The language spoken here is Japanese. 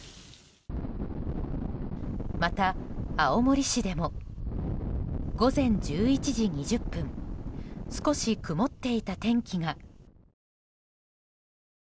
また、青森市でも午前１１時２０分少し曇っていた天気が。